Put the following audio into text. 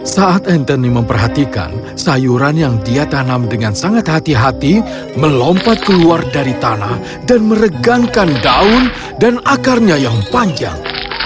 saat anthony memperhatikan sayuran yang dia tanam dengan sangat hati hati melompat keluar dari tanah dan meregangkan daun dan akarnya yang panjang